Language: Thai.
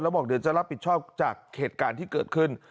บอกเดี๋ยวจะรับผิดชอบจากเหตุการณ์ที่เกิดขึ้น